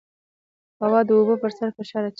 هوا د اوبو پر سر فشار اچوي.